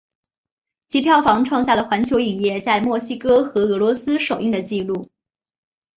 其票房创下了环球影业在墨西哥和俄罗斯首映的纪录。